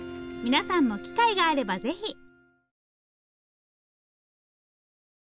皆さんも機会があればぜひ！